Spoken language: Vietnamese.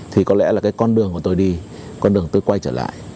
thì có lẽ là cái con đường của tôi đi con đường tôi quay trở lại